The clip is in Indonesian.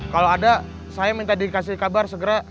kalau ada saya minta dikasih kabar segera